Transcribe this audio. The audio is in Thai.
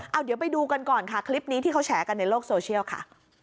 เอาเดี๋ยวไปดูกันก่อนค่ะคลิปนี้ที่เขาแชร์กันในโลกโซเชียลค่ะ